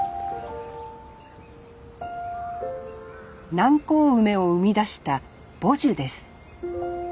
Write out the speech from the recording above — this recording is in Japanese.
南高梅を生み出した母樹です。